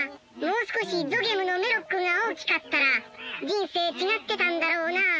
もう少しゾゲムのメロックが大きかったら人生違ってたんだろうなあ。